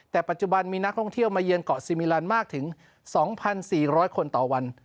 แต่ปัจจุบันมีนักท่องเที่ยวมาเยือนเกาะซีมิลันมากถึง๒๔๐๐คนต่อวัน